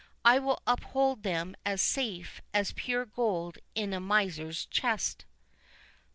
I will uphold them as safe as pure gold in a miser's chest."